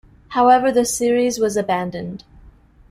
However, the series was abandoned.